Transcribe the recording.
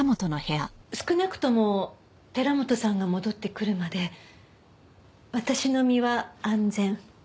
少なくとも寺本さんが戻ってくるまで私の身は安全。